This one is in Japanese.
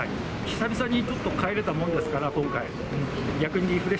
久々にちょっと帰れたもんですから、今回。